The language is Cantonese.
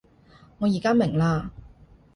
我而家明喇